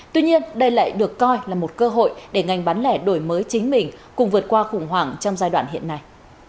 tuy nhiên đây lại được coi là một cơ hội để ngành bán lẻ đổi mới chính mình cùng vượt qua khủng hoảng trong giai đoạn hiện nay